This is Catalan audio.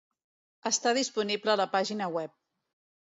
Està disponible a la pàgina web.